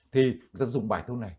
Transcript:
thì người ta dùng bài thuốc này